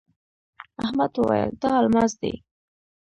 احمد وويل: دا الماس دی.